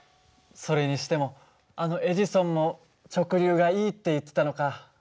それにしてもあのエジソンも直流がいいって言ってたのか。